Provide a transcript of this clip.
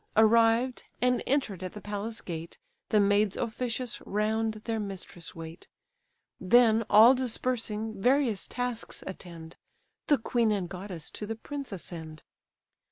Arrived, and enter'd at the palace gate, The maids officious round their mistress wait; Then, all dispersing, various tasks attend; The queen and goddess to the prince ascend.